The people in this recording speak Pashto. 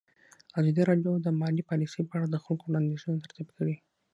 ازادي راډیو د مالي پالیسي په اړه د خلکو وړاندیزونه ترتیب کړي.